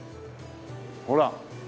ほら。